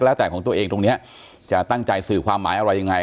แล้วแต่ของตัวเองตรงนี้จะตั้งใจสื่อความหมายอะไรยังไง